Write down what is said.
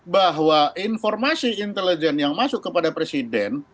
bahwa informasi intelijen yang masuk kepada presiden